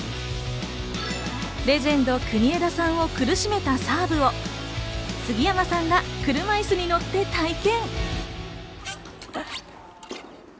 レジェンド・国枝さんを苦しめたサーブを杉山さんが車いすに乗って体験！